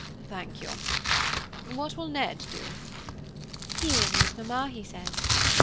"Thank you. What will Ned do?" "He will amuse Mamma, he says.